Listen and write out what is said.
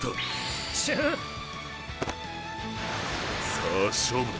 さぁ勝負だ。